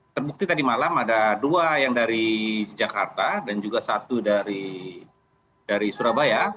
terbukti tadi malam ada dua yang dari jakarta dan juga satu dari surabaya